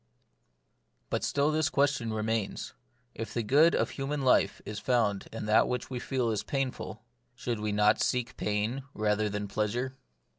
DUT still this question remains : If the good of human life is found in that which we feel as painful, should we not seek pain rather than pleasure